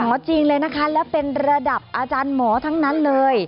จีนเลยนะคะและเป็นระดับอาจารย์หมอทั้งนั้นเลย